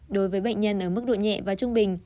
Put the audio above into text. đối với bệnh nhân ở mức độ nhẹ và trung bình